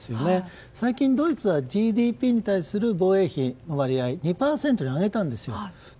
最近ドイツはＧＤＰに対する防衛費の割合を２％に上げたんです。